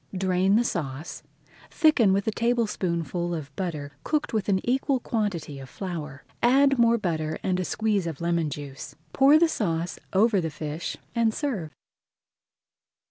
Drain the sauce, thicken with a tablespoonful of butter cooked with an equal quantity of flour, add more butter and a squeeze of lemon juice. Pour the sauce over the fish and serve.